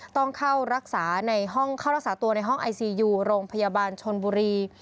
ต้องเข้ารักษารักษาตัวในห้องไอซียูโรงพยาบาลชนบุรี